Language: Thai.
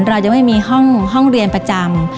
เราจะไม่มีห้องเรียนประจำ